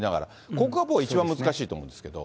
ここは僕は一番難しいと思うんですけど。